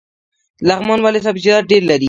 لغمان ولې سبزیجات ډیر لري؟